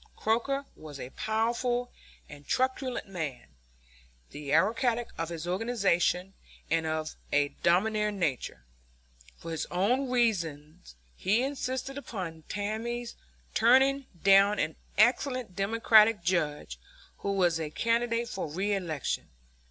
Croker was a powerful and truculent man, the autocrat of his organization, and of a domineering nature. For his own reasons he insisted upon Tammany's turning down an excellent Democratic judge who was a candidate for reelection.